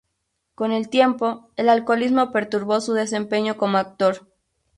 Con el tiempo, el alcoholismo perturbó su desempeño como actor.